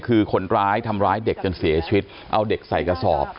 คือคนร้ายทำร้ายเด็กจนเสียชีวิตเอาเด็กใส่กระสอบ